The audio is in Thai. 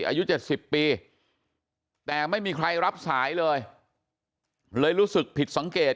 อายุ๗๐ปีแต่ไม่มีใครรับสายเลยเลยรู้สึกผิดสังเกต